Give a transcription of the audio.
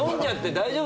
大丈夫！